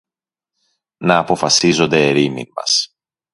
να αποφασίζονται ερήμην μας.